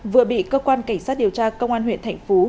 vừa bị cơ quan cảnh sát điều tra công an huyện thạnh phú